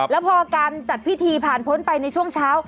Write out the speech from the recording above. แล้วพอการจัดพิธีผ่านพ้นไปในช่วงเช้า